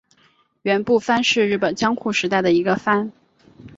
园部藩是日本江户时代的一个藩。